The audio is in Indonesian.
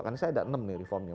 karena saya ada enam nih reformnya